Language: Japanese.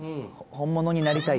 本物になりたい？